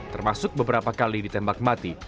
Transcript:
termasuk beberapa kali ditembak mati